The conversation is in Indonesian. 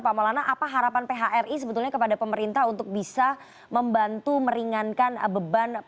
pak maulana apa harapan phri sebetulnya kepada pemerintah untuk bisa membantu meringankan beban para pengelola hotel yang sudah berada di sini